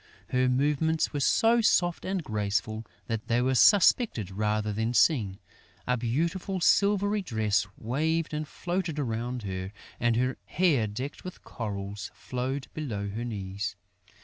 Her movements were so soft and graceful that they were suspected rather than seen. A beautiful silvery dress waved and floated around her; and her hair decked with corals flowed below her knees.